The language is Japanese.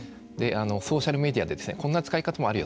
ソーシャルメディアでこんな使い方もあるよ